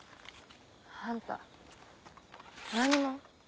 あんた何者？